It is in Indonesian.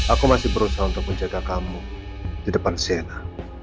aku masih berusaha untuk menjaga kamu di depan cnn